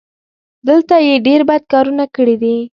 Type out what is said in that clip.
دلته یې ډېر بد کارونه کړي دي.